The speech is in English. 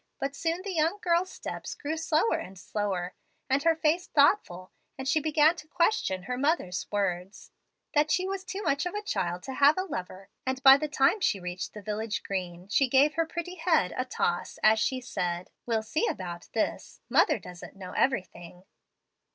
But soon the young girl's steps grew slower and slower, and her face thoughtful, and she began to question her mother's words, that she was too much of a child to have a lover; and by the time she reached the village green she gave her pretty head a toss as she said, 'We'll see about this. Mother doesn't know everything.'"